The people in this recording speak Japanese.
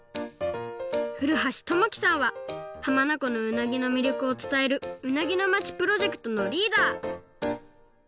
古橋知樹さんははまなこのうなぎのみりょくをつたえる「うなぎのまち」プロジェクトのリーダー。